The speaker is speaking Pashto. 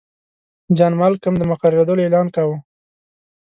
جان مالکم د مقررېدلو اعلان کاوه.